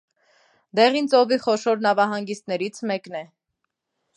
Դեղին ծովի խոշոր նավահանգիստներից մեկն է։